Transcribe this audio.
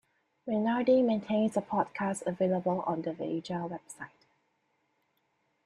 Mainardi maintains a podcast available on the Veja website.